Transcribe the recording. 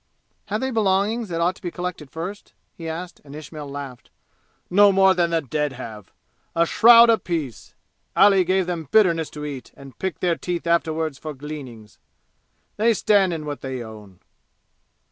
"Have they belongings that ought to be collected first?" he asked, and Ismail laughed. "No more than the dead have! A shroud apiece! Ali gave them bitterness to eat and picked their teeth afterward for gleanings! They stand in what they own!"